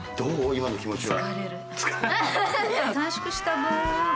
今の気持ちは。